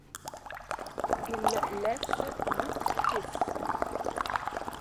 Il laisse huit fils.